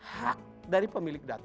hak dari pemilik data